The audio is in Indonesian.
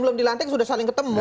belum dilantik sudah saling ketemu